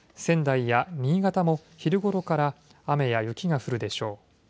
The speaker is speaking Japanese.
仙台や新潟も昼ごろから雨や雪が降るでしょう。